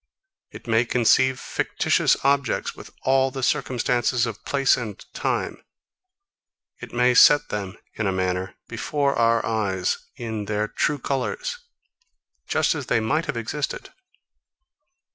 It may conceive fictitious objects with all the circumstances of place and time. It may set them, in a manner, before our eyes, in their true colours, just as they might have existed.